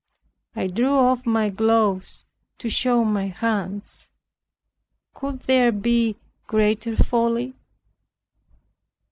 I drew off my gloves to show my hands. Could there be greater folly?